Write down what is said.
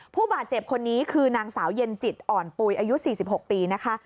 ผู้บาดเจ็บคนนี้คือนางสาวเย็นจิตอ่อนปุ๋ยอายุ๔๖ปีนะคะ